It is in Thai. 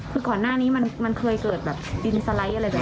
คือก่อนหน้านี้มันเคยเกิดแบบดินสไลด์อะไรแบบนี้